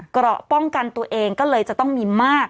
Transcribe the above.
เกราะป้องกันตัวเองก็เลยจะต้องมีมาก